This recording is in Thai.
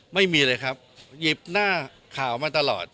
ไม่มีเลยครับหยิบหน้าข่าวมาตลอด